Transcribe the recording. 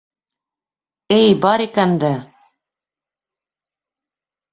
- Эй, бар икән дә.